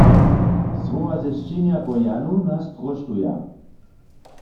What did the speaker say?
Słowa ze sćenja po Janu nas tróštuja.